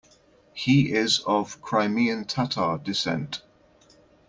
He is of Crimean Tatar descent.